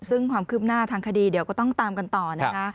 ซึ่งความคืบหน้าทางคดีเดี๋ยวก็ต้องตามกันต่อนะคะ